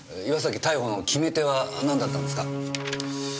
岩崎逮捕の決め手は何だったんですか？